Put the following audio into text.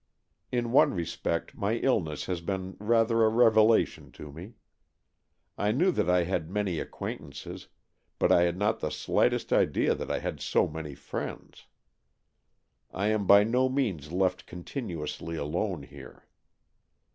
In one respect my illness has been rather a revelation to me. I knew that I had many acquaintances, but I had not the slightest idea that I had so many friends. I am by no means left continuously alone here.